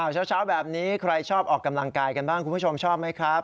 เช้าแบบนี้ใครชอบออกกำลังกายกันบ้างคุณผู้ชมชอบไหมครับ